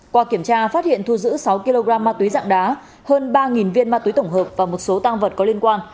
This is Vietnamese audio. qua kiểm tra phát hiện thu giữ sáu kg ma túy dạng đá hơn ba viên ma túy tổng hợp và một số tăng vật có liên quan